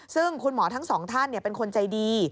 ซึ่งคุณหมอทั้งสองท่านเป็นคนใจดี